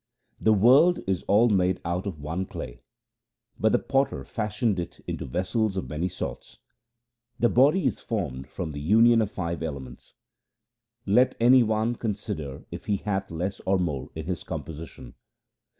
The world is all made out of one clay, But the Potter fashioned it into vessels of many sorts. The body is formed from the union of five elements ; Let any one consider if he hath less or more in his com position.